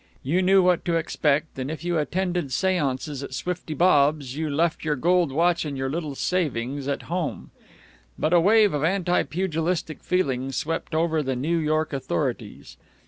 You knew what to export, and if you attended seances at Swifty Bob's you left your gold watch and your little savings at home. But a wave of anti pugilistic feeling swept over the New York authorities.